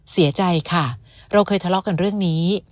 เสียใจค่ะเราเคยทะเลาะกันเรื่องนี้